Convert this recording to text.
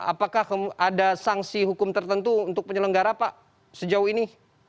apakah ada sanksi hukum tertentu untuk penyelenggara pak sejauh ini